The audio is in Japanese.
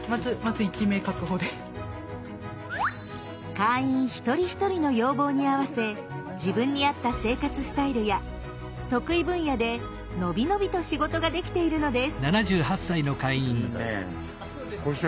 会員１人１人の要望に合わせ自分に合った生活スタイルや得意分野で伸び伸びと仕事ができているのです。